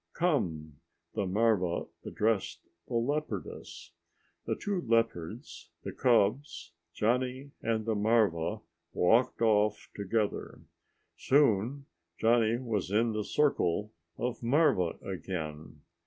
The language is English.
"Come!" the marva addressed the leopardess. The two leopards, the cubs, Johnny and the marva walked off together. Soon Johnny was in the circle of marva again.